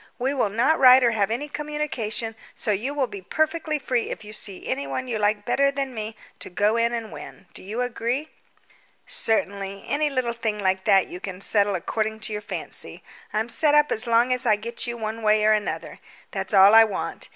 We will not write or have any communication, so you will be perfectly free if you see anyone you like better than me to go in and win. Do you agree?" "Certainly; any little thing like that you can settle according to your fancy. I'm set up as long as I get you one way or another, that's all I want.